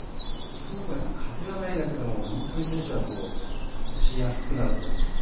きょうは風がないだけでも本当に選手は打ちやすくなると思います。